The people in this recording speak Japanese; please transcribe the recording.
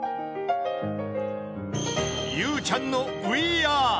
［ゆうちゃんの『ウィーアー！』］